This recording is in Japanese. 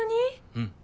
うん。